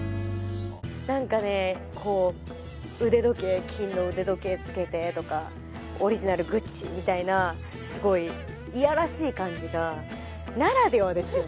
何かね腕時計金の腕時計つけてとかオリジナルグッチみたいなすごいいやらしい感じがならではですよね